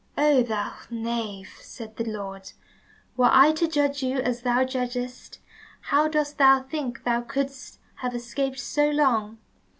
"Oh, thou knave," said the Lord, "were I to judge as thou judgest, how dost thou think thou couldst have escaped so long?